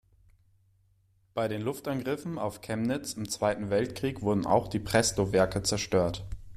Bei den Luftangriffen auf Chemnitz im Zweiten Weltkrieg wurden auch die Presto-Werke zerstört.